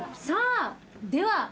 さあでは。